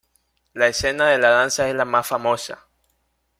La escena de la danza es la más famosa.